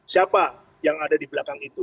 siapa yang ada di belakang itu